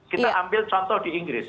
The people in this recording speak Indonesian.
kita ambil contoh di inggris